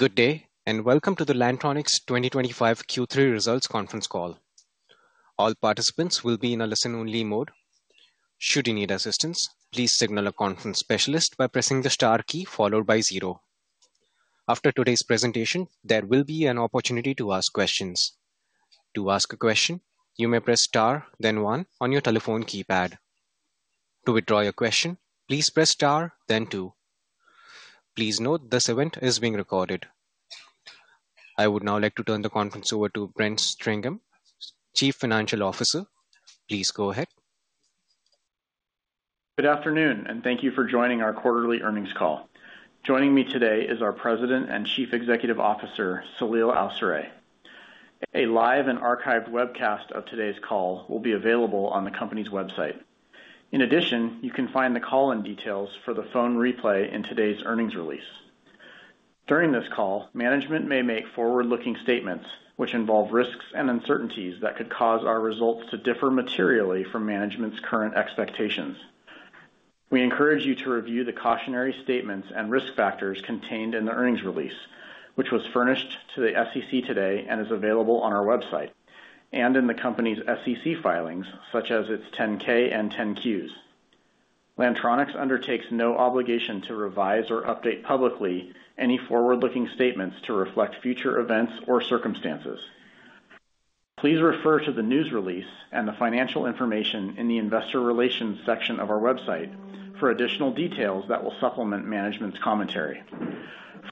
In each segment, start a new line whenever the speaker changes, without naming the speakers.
Good day, and welcome to the Lantronix 2025 Q3 Results Conference call. All participants will be in a listen-only mode. Should you need assistance, please signal a conference specialist by pressing the star key followed by zero. After today's presentation, there will be an opportunity to ask questions. To ask a question, you may press star, then one, on your telephone keypad. To withdraw your question, please press star, then two. Please note this event is being recorded. I would now like to turn the conference over to Brent Stringham, Chief Financial Officer. Please go ahead.
Good afternoon, and thank you for joining our quarterly earnings call. Joining me today is our President and Chief Executive Officer, Saleel Awsare. A live and archived webcast of today's call will be available on the company's website. In addition, you can find the call-in details for the phone replay in today's earnings release. During this call, management may make forward-looking statements which involve risks and uncertainties that could cause our results to differ materially from management's current expectations. We encourage you to review the cautionary statements and risk factors contained in the earnings release, which was furnished to the SEC today and is available on our website and in the company's SEC filings, such as its 10-K and 10-Qs. Lantronix undertakes no obligation to revise or update publicly any forward-looking statements to reflect future events or circumstances. Please refer to the news release and the financial information in the investor relations section of our website for additional details that will supplement management's commentary.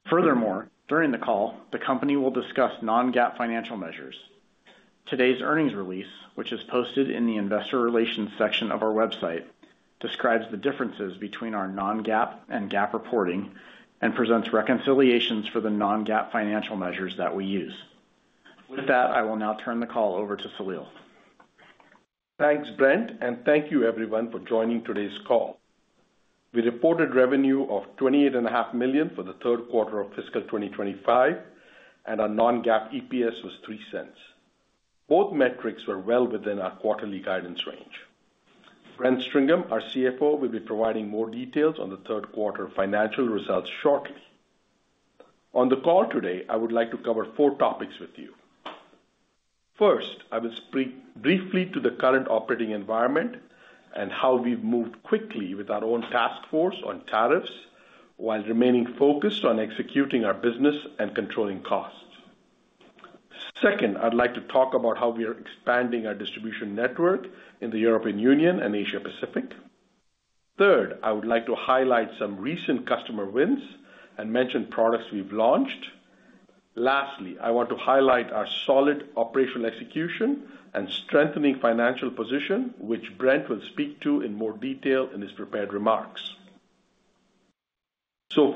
Furthermore, during the call, the company will discuss non-GAAP financial measures. Today's earnings release, which is posted in the investor relations section of our website, describes the differences between our non-GAAP and GAAP reporting and presents reconciliations for the non-GAAP financial measures that we use. With that, I will now turn the call over to Saleel.
Thanks, Brent, and thank you, everyone, for joining today's call. We reported revenue of $28.5 million for the third quarter of fiscal 2025, and our non-GAAP EPS was $0.03. Both metrics were well within our quarterly guidance range. Brent Stringham, our CFO, will be providing more details on the third quarter financial results shortly. On the call today, I would like to cover four topics with you. First, I will speak briefly to the current operating environment and how we've moved quickly with our own task force on tariffs while remaining focused on executing our business and controlling costs. Second, I'd like to talk about how we are expanding our distribution network in the European Union and Asia Pacific. Third, I would like to highlight some recent customer wins and mention products we've launched. Lastly, I want to highlight our solid operational execution and strengthening financial position, which Brent will speak to in more detail in his prepared remarks.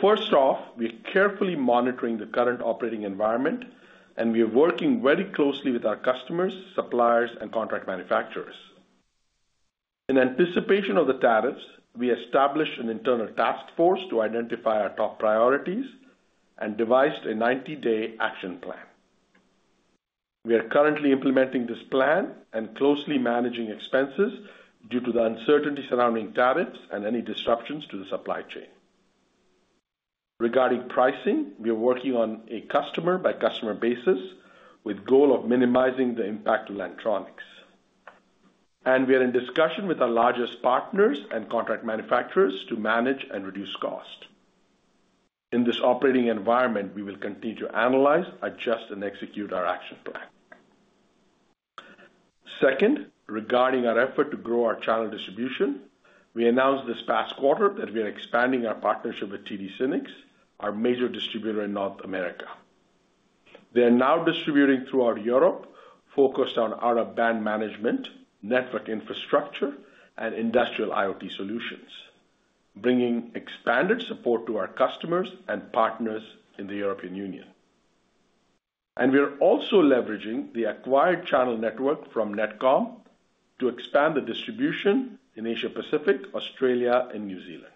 First off, we are carefully monitoring the current operating environment, and we are working very closely with our customers, suppliers, and contract manufacturers. In anticipation of the tariffs, we established an internal task force to identify our top priorities and devised a 90-day action plan. We are currently implementing this plan and closely managing expenses due to the uncertainty surrounding tariffs and any disruptions to the supply chain. Regarding pricing, we are working on a customer-by-customer basis with the goal of minimizing the impact on Lantronix. We are in discussion with our largest partners and contract manufacturers to manage and reduce cost. In this operating environment, we will continue to analyze, adjust, and execute our action plan. Second, regarding our effort to grow our channel distribution, we announced this past quarter that we are expanding our partnership with TD SYNNEX, our major distributor in North America. They are now distributing throughout Europe, focused on out-of-band management, network infrastructure, and industrial IoT solutions, bringing expanded support to our customers and partners in the European Union. We are also leveraging the acquired channel network from Netcom to expand the distribution in Asia Pacific, Australia, and New Zealand.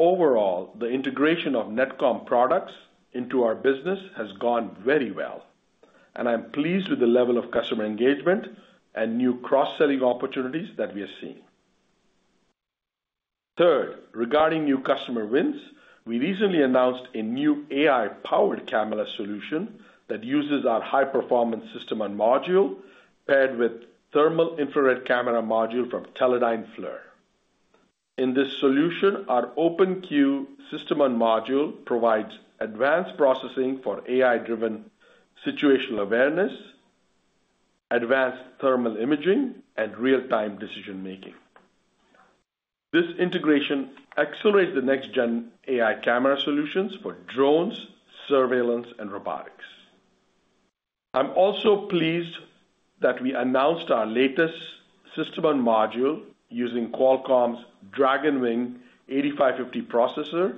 Overall, the integration of Netcom products into our business has gone very well, and I'm pleased with the level of customer engagement and new cross-selling opportunities that we are seeing. Third, regarding new customer wins, we recently announced a new AI-powered camera solution that uses our high-performance system-on-module paired with thermal infrared camera module from Teledyne FLIR. In this solution, our Open-Q system-on-module provides advanced processing for AI-driven situational awareness, advanced thermal imaging, and real-time decision-making. This integration accelerates the next-gen AI camera solutions for drones, surveillance, and robotics. I'm also pleased that we announced our latest system-on-module using Qualcomm's Dragonwing 8550 processor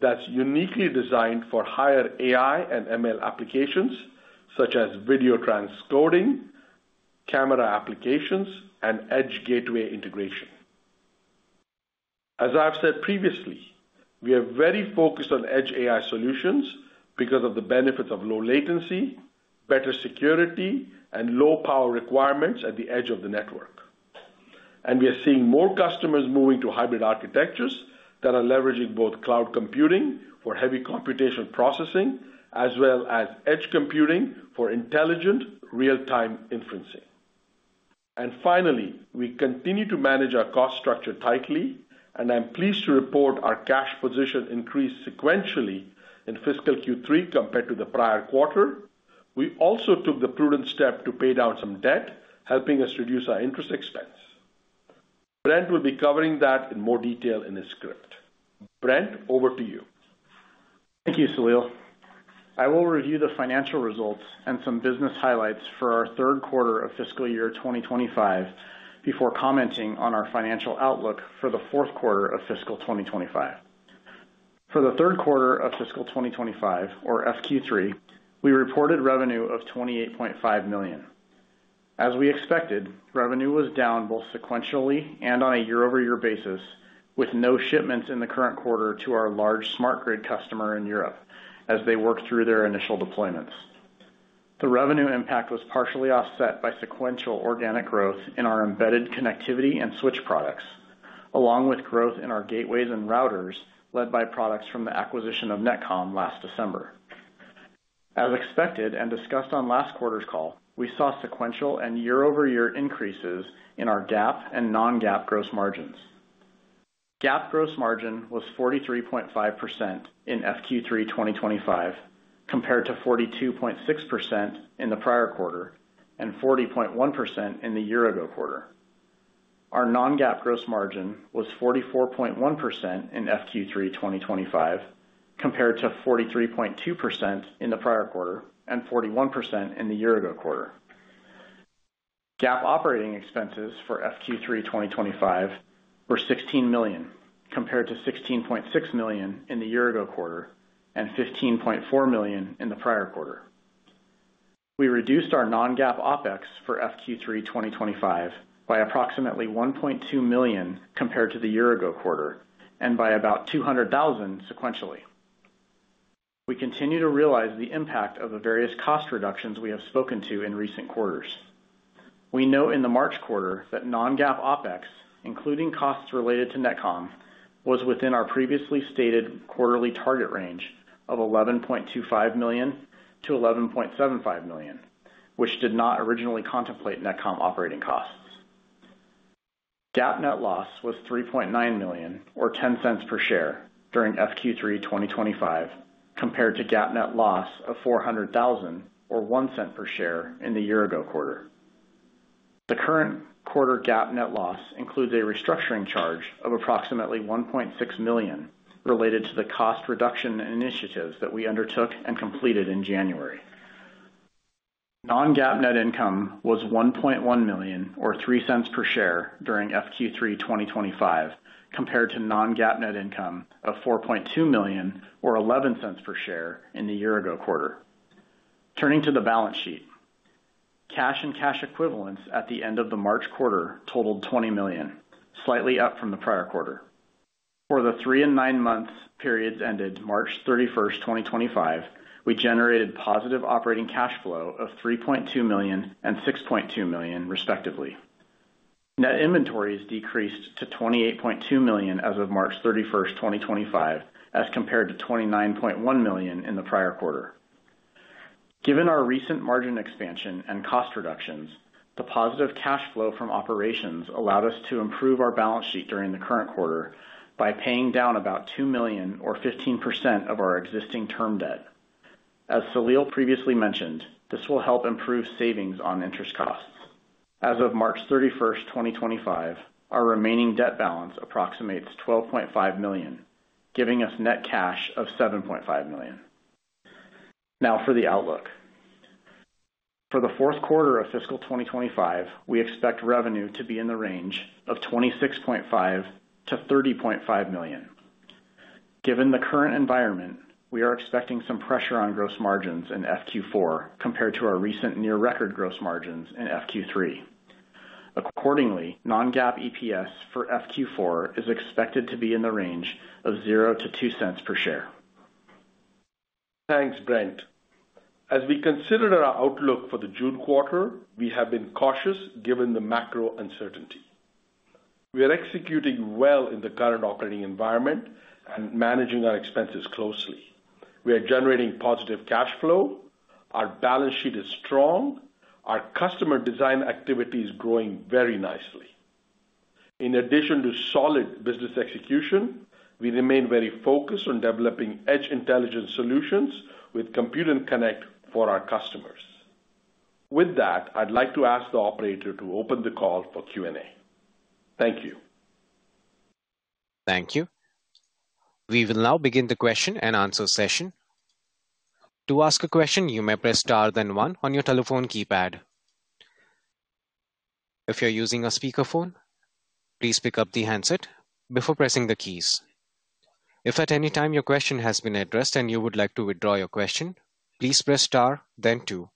that's uniquely designed for higher AI and ML applications such as video transcoding, camera applications, and edge gateway integration. As I've said previously, we are very focused on edge AI solutions because of the benefits of low latency, better security, and low power requirements at the edge of the network. We are seeing more customers moving to hybrid architectures that are leveraging both cloud computing for heavy computational processing as well as edge computing for intelligent real-time inferencing. Finally, we continue to manage our cost structure tightly, and I'm pleased to report our cash position increased sequentially in fiscal Q3 compared to the prior quarter. We also took the prudent step to pay down some debt, helping us reduce our interest expense. Brent will be covering that in more detail in his script. Brent, over to you.
Thank you, Saleel. I will review the financial results and some business highlights for our third quarter of fiscal year 2025 before commenting on our financial outlook for the fourth quarter of fiscal 2025. For the third quarter of fiscal 2025, or FQ3, we reported revenue of $28.5 million. As we expected, revenue was down both sequentially and on a year-over-year basis, with no shipments in the current quarter to our large smart grid customer in Europe as they work through their initial deployments. The revenue impact was partially offset by sequential organic growth in our embedded connectivity and switch products, along with growth in our gateways and routers led by products from the acquisition of Netcom last December. As expected and discussed on last quarter's call, we saw sequential and year-over-year increases in our GAAP and non-GAAP gross margins. GAAP gross margin was 43.5% in FQ3 2025 compared to 42.6% in the prior quarter and 40.1% in the year-ago quarter. Our non-GAAP gross margin was 44.1% in FQ3 2025 compared to 43.2% in the prior quarter and 41% in the year-ago quarter. GAAP operating expenses for FQ3 2025 were $16 million compared to $16.6 million in the year-ago quarter and $15.4 million in the prior quarter. We reduced our non-GAAP OpEx for FQ3 2025 by approximately $1.2 million compared to the year-ago quarter and by about $200,000 sequentially. We continue to realize the impact of the various cost reductions we have spoken to in recent quarters. We know in the March quarter that non-GAAP OpEx, including costs related to Netcom, was within our previously stated quarterly target range of $11.25 million-$11.75 million, which did not originally contemplate Netcom operating costs. GAAP net loss was $3.9 million, or $0.10 per share, during FQ3 2025 compared to GAAP net loss of $400,000, or $0.01 per share in the year-ago quarter. The current quarter GAAP net loss includes a restructuring charge of approximately $1.6 million related to the cost reduction initiatives that we undertook and completed in January. Non-GAAP net income was $1.1 million, or $0.03 per share, during FQ3 2025 compared to non-GAAP net income of $4.2 million, or $0.11 per share in the year-ago quarter. Turning to the balance sheet, cash and cash equivalents at the end of the March quarter totaled $20 million, slightly up from the prior quarter. For the three and nine months periods ended March 31st, 2025, we generated positive operating cash flow of $3.2 million and $6.2 million, respectively. Net inventories decreased to $28.2 million as of March 31st, 2025, as compared to $29.1 million in the prior quarter. Given our recent margin expansion and cost reductions, the positive cash flow from operations allowed us to improve our balance sheet during the current quarter by paying down about $2 million, or 15% of our existing term debt. As Saleel previously mentioned, this will help improve savings on interest costs. As of March 31st, 2025, our remaining debt balance approximates $12.5 million, giving us net cash of $7.5 million. Now for the outlook. For the fourth quarter of fiscal 2025, we expect revenue to be in the range of $26.5 million-$30.5 million. Given the current environment, we are expecting some pressure on gross margins in FQ4 compared to our recent near-record gross margins in FQ3. Accordingly, non-GAAP EPS for FQ4 is expected to be in the range of $0-$0.02 per share.
Thanks, Brent. As we considered our outlook for the June quarter, we have been cautious given the macro uncertainty. We are executing well in the current operating environment and managing our expenses closely. We are generating positive cash flow. Our balance sheet is strong. Our customer design activity is growing very nicely. In addition to solid business execution, we remain very focused on developing edge intelligence solutions with Compute and Connect for our customers. With that, I'd like to ask the operator to open the call for Q&A. Thank you.
Thank you. We will now begin the question and answer session. To ask a question, you may press star then one on your telephone keypad. If you're using a speakerphone, please pick up the handset before pressing the keys. If at any time your question has been addressed and you would like to withdraw your question, please press star then two.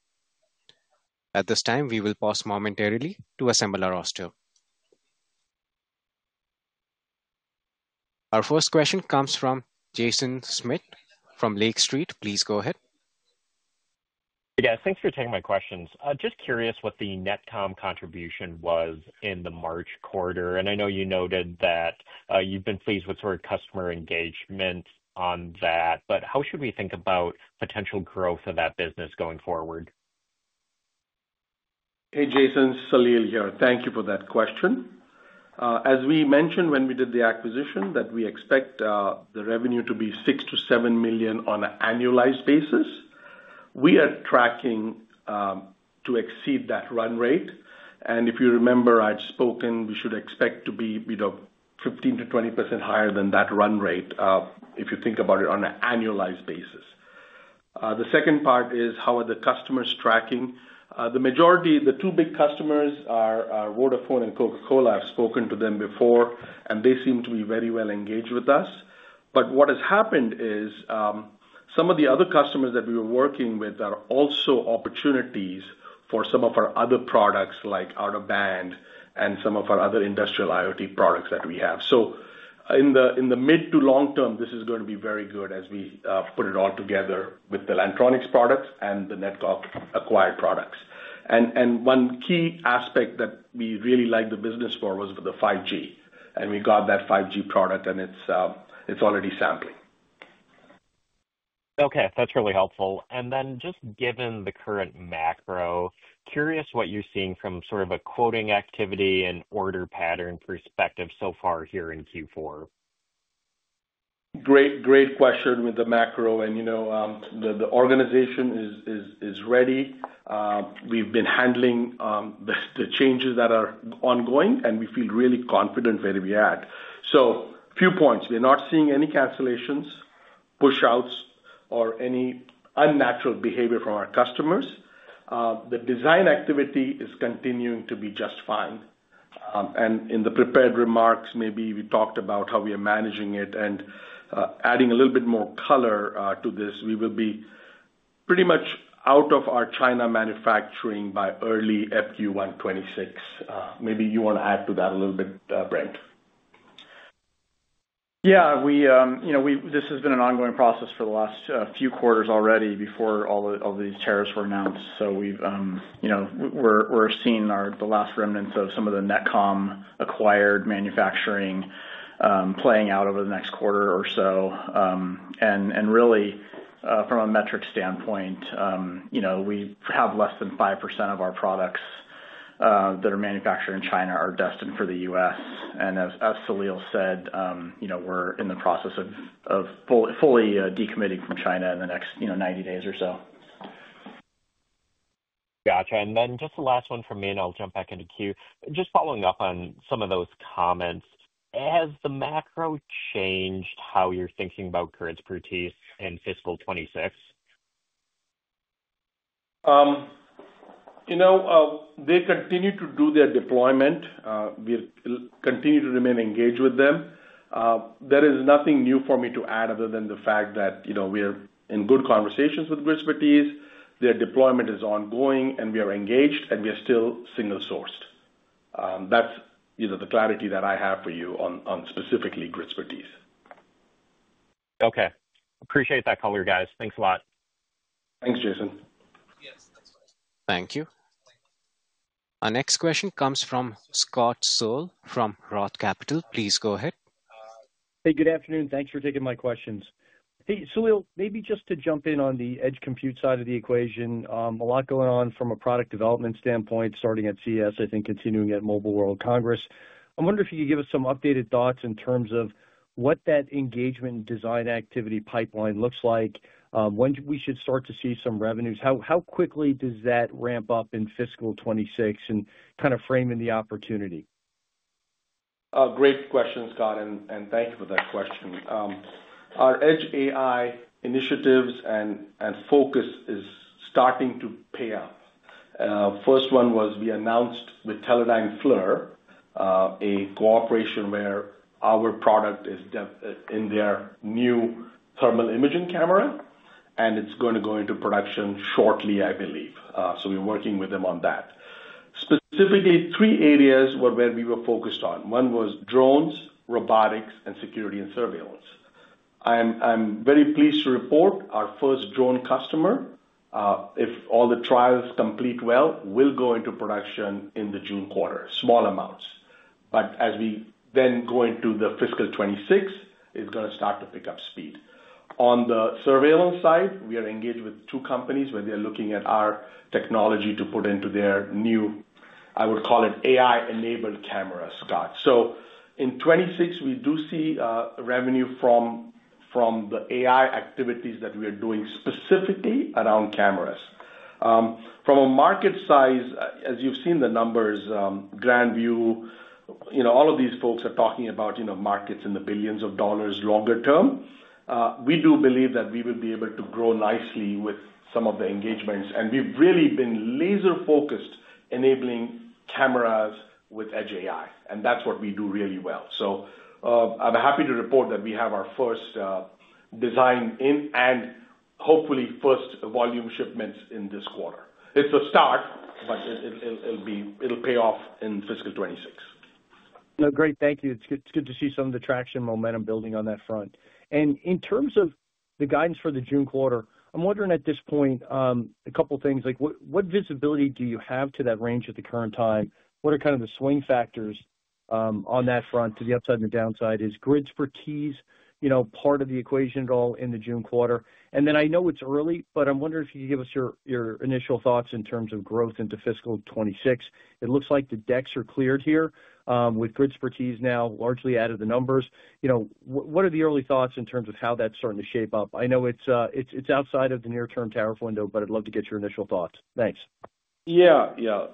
At this time, we will pause momentarily to assemble our roster. Our first question comes from Jason Smith from Lake Street. Please go ahead.
Yes, thanks for taking my questions. Just curious what the Netcom contribution was in the March quarter. I know you noted that you've been pleased with sort of customer engagement on that, but how should we think about potential growth of that business going forward?
Hey, Jason, Saleel here. Thank you for that question. As we mentioned when we did the acquisition, we expect the revenue to be $6 million-$7 million on an annualized basis. We are tracking to exceed that run rate. If you remember, I had spoken we should expect to be 15%-20% higher than that run rate if you think about it on an annualized basis. The second part is, how are the customers tracking? The majority, the two big customers, are Vodafone and Coca-Cola. I have spoken to them before, and they seem to be very well engaged with us. What has happened is some of the other customers that we were working with are also opportunities for some of our other products like out-of-band and some of our other industrial IoT products that we have. In the mid to long term, this is going to be very good as we put it all together with the Lantronix products and the Netcom acquired products. One key aspect that we really like the business for was with the 5G. We got that 5G product, and it's already sampling.
Okay. That's really helpful. Then just given the current macro, curious what you're seeing from sort of a quoting activity and order pattern perspective so far here in Q4.
Great question with the macro. The organization is ready. We've been handling the changes that are ongoing, and we feel really confident where we're at. A few points. We're not seeing any cancellations, push-outs, or any unnatural behavior from our customers. The design activity is continuing to be just fine. In the prepared remarks, maybe we talked about how we are managing it. Adding a little bit more color to this, we will be pretty much out of our China manufacturing by early FQ1 2026. Maybe you want to add to that a little bit, Brent.
Yeah. This has been an ongoing process for the last few quarters already before all these tariffs were announced. We are seeing the last remnants of some of the Netcom acquired manufacturing playing out over the next quarter or so. Really, from a metric standpoint, we have less than 5% of our products that are manufactured in China are destined for the U.S. As Saleel said, we are in the process of fully decommitting from China in the next 90 days or so.
Gotcha. And then just the last one for me, and I'll jump back into queue. Just following up on some of those comments, has the macro changed how you're thinking about Gridspertise in fiscal 2026?
They continue to do their deployment. We continue to remain engaged with them. There is nothing new for me to add other than the fact that we are in good conversations with Gridspertise. Their deployment is ongoing, and we are engaged, and we are still single-sourced. That's the clarity that I have for you on specifically Gridspertise.
Okay. Appreciate that color, guys. Thanks a lot.
Thanks, Jason.
Yes, that's fine.
Thank you. Our next question comes from Scott Searle from ROTH Capital. Please go ahead.
Hey, good afternoon. Thanks for taking my questions. Hey, Saleel, maybe just to jump in on the edge compute side of the equation, a lot going on from a product development standpoint starting at CES, I think, continuing at Mobile World Congress. I wonder if you could give us some updated thoughts in terms of what that engagement design activity pipeline looks like, when we should start to see some revenues. How quickly does that ramp up in fiscal 2026 and kind of frame in the opportunity?
Great question, Scott, and thank you for that question. Our edge AI initiatives and focus is starting to pay off. First one was we announced with Teledyne FLIR, a cooperation where our product is in their new thermal imaging camera, and it's going to go into production shortly, I believe. We are working with them on that. Specifically, three areas were where we were focused on. One was drones, robotics, and security and surveillance. I'm very pleased to report our first drone customer. If all the trials complete well, we'll go into production in the June quarter, small amounts. As we then go into fiscal 2026, it's going to start to pick up speed. On the surveillance side, we are engaged with two companies where they're looking at our technology to put into their new, I would call it, AI-enabled cameras, Scott. In 2026, we do see revenue from the AI activities that we are doing specifically around cameras. From a market size, as you've seen the numbers, Grandview, all of these folks are talking about markets in the billions of dollars longer term. We do believe that we will be able to grow nicely with some of the engagements. We've really been laser-focused enabling cameras with edge AI. That's what we do really well. I'm happy to report that we have our first design in and hopefully first volume shipments in this quarter. It's a start, but it'll pay off in fiscal 2026.
Great. Thank you. It's good to see some of the traction momentum building on that front. In terms of the guidance for the June quarter, I'm wondering at this point a couple of things. What visibility do you have to that range at the current time? What are kind of the swing factors on that front to the upside and the downside? Is Gridspertise part of the equation at all in the June quarter? I know it's early, but I'm wondering if you could give us your initial thoughts in terms of growth into fiscal 2026. It looks like the decks are cleared here with Gridspertise now largely out of the numbers. What are the early thoughts in terms of how that's starting to shape up? I know it's outside of the near-term tariff window, but I'd love to get your initial thoughts. Thanks.
Yeah, yeah.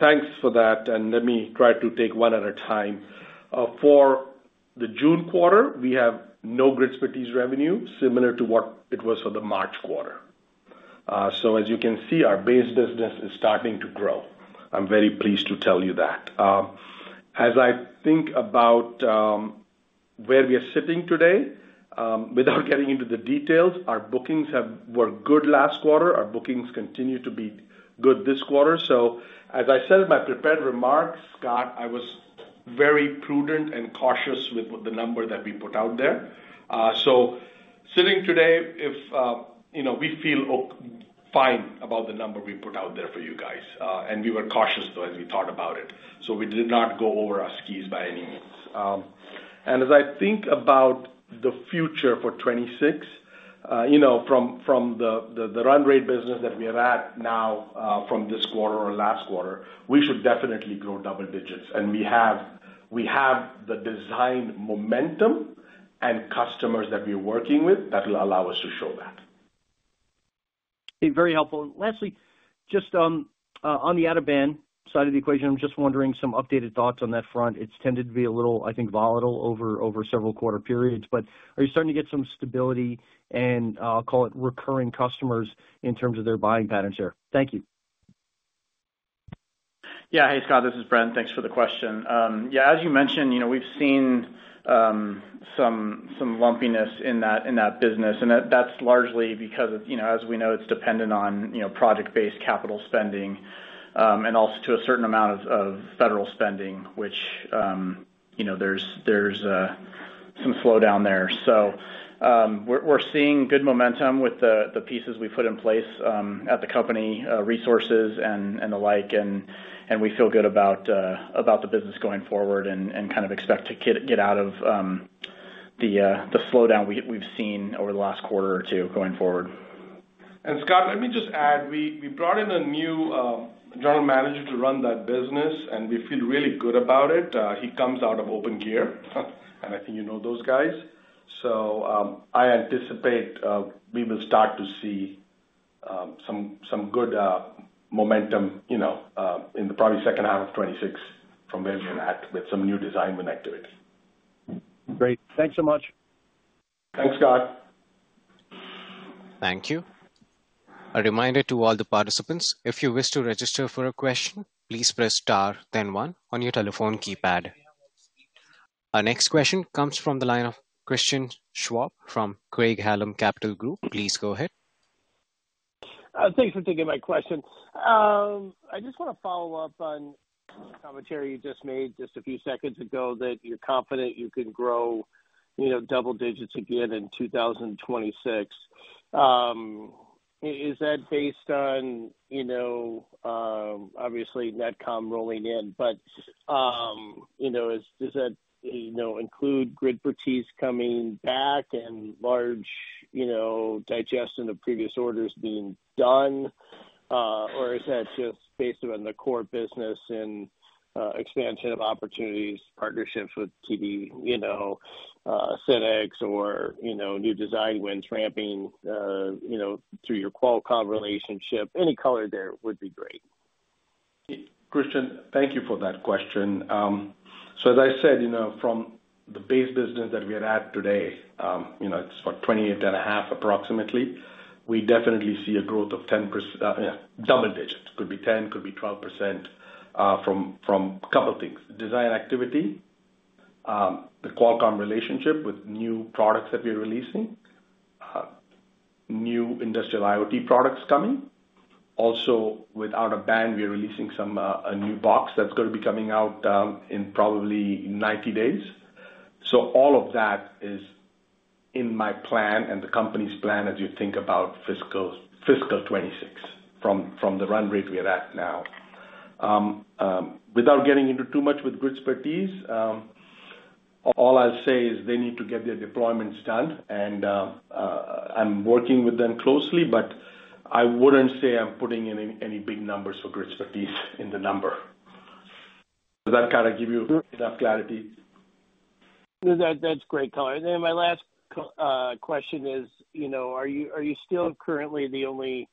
Thanks for that. Let me try to take one at a time. For the June quarter, we have no Gridspertise revenue, similar to what it was for the March quarter. As you can see, our base business is starting to grow. I'm very pleased to tell you that. As I think about where we are sitting today, without getting into the details, our bookings were good last quarter. Our bookings continue to be good this quarter. As I said in my prepared remarks, Scott, I was very prudent and cautious with the number that we put out there. Sitting today, we feel fine about the number we put out there for you guys. We were cautious, though, as we thought about it. We did not go over our skis by any means. As I think about the future for 2026, from the run rate business that we are at now from this quarter or last quarter, we should definitely grow double digits. We have the design momentum and customers that we are working with that will allow us to show that.
Hey, very helpful. Lastly, just on the out-of-band side of the equation, I'm just wondering some updated thoughts on that front. It's tended to be a little, I think, volatile over several quarter periods. Are you starting to get some stability and, I'll call it, recurring customers in terms of their buying patterns here? Thank you.
Yeah. Hey, Scott, this is Brent. Thanks for the question. Yeah, as you mentioned, we've seen some lumpiness in that business. That's largely because, as we know, it's dependent on project-based capital spending and also to a certain amount of federal spending, which there's some slowdown there. We're seeing good momentum with the pieces we've put in place at the company, resources and the like. We feel good about the business going forward and kind of expect to get out of the slowdown we've seen over the last quarter or two going forward.
Scott, let me just add, we brought in a new General Manager to run that business, and we feel really good about it. He comes out of Open Gear, and I think you know those guys. I anticipate we will start to see some good momentum in the probably second half of 2026 from where we're at with some new design activity.
Great. Thanks so much.
Thanks, Scott.
Thank you. A reminder to all the participants, if you wish to register for a question, please press star then one on your telephone keypad. Our next question comes from the line of Christian Schwab from Craig-Hallum Capital Group. Please go ahead.
Thanks for taking my question. I just want to follow up on the commentary you just made just a few seconds ago that you're confident you can grow double digits again in 2026. Is that based on, obviously, Netcom rolling in? Does that include Gridspertise coming back and large digestion of previous orders being done? Or is that just based on the core business and expansion of opportunities, partnerships with TD SYNNEX, or new design wins ramping through your Qualcomm relationship? Any color there would be great.
Hey, Christian, thank you for that question. As I said, from the base business that we are at today, it's $28.5 million approximately. We definitely see a growth of 10%, double digits. Could be 10%, could be 12% from a couple of things: design activity, the Qualcomm relationship with new products that we're releasing, new industrial IoT products coming. Also, with out-of-band, we're releasing a new box that's going to be coming out in probably 90 days. All of that is in my plan and the company's plan as you think about fiscal 2026 from the run rate we are at now. Without getting into too much with Gridspertise, all I'll say is they need to get their deployments done. I'm working with them closely, but I wouldn't say I'm putting in any big numbers for Gridspertise in the number. Does that kind of give you enough clarity?
That's great color. My last question is, are you still currently the only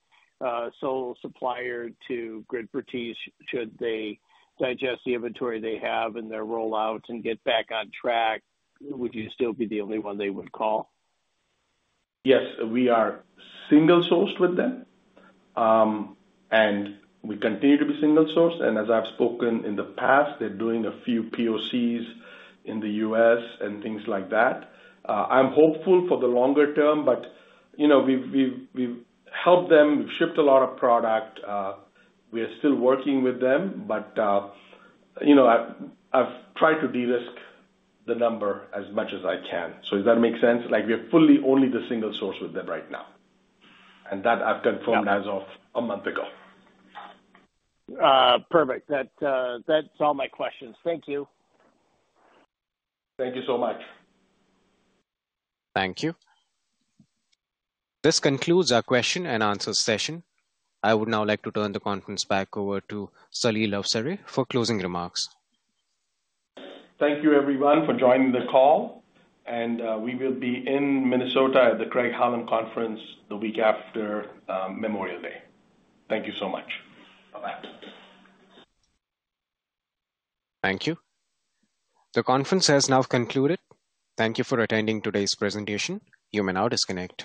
sole supplier to Gridspertise? Should they digest the inventory they have and their rollout and get back on track, would you still be the only one they would call?
Yes, we are single-sourced with them. We continue to be single-sourced. As I've spoken in the past, they're doing a few POCs in the U.S. and things like that. I'm hopeful for the longer term, but we've helped them. We've shipped a lot of product. We're still working with them, but I've tried to de-risk the number as much as I can. Does that make sense? We are fully only the single-source with them right now. I confirmed that as of a month ago.
Perfect. That's all my questions. Thank you.
Thank you so much.
Thank you. This concludes our question and answer session. I would now like to turn the conference back over to Saleel Awsare for closing remarks.
Thank you, everyone, for joining the call. We will be in Minnesota at the Craig-Hallum Conference the week after Memorial Day. Thank you so much. Bye-bye.
Thank you. The conference has now concluded. Thank you for attending today's presentation. You may now disconnect.